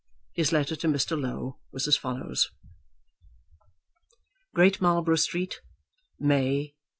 His letter to Mr. Low was as follows: Great Marlborough Street, May, 186